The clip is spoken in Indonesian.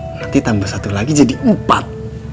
berarti tambah satu lagi jadi empat